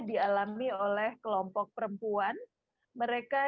dialami oleh kelompok perempuan mereka